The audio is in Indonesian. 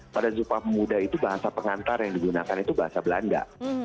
pada sumpah pemuda itu bahasa pengantar yang digunakan itu bahasa belanda